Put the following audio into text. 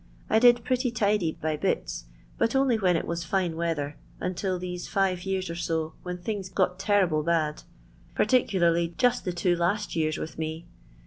I did pretty tidy by bits, bat only when it was fine weather, until Uieso five yean or ss^ when things got terrible bad. Farticakrly just the two last years with me.